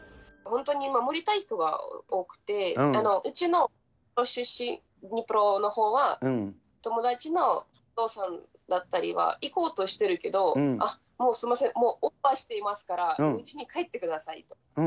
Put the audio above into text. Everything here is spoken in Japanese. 本当に守りたい人が多くて、うちの出身地、ドニプロのほうは、友達のお父さんだったりとかは行こうとしてるけど、もうすみません、オーバーしていますから、うちに帰ってください。